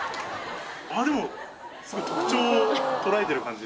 でもすごい特徴を捉えてる感じですね。